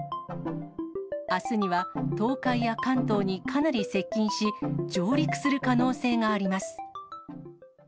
あすには、東海や関東にかなり接近し、上陸する可能性があります。